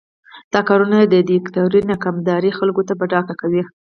دا کارونه د دیکتاتورۍ ناکارآمدي خلکو ته په ډاګه کوي.